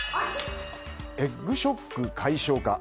エッグショック、解消か？